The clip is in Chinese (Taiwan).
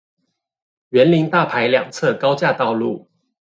員林大排兩側高架道路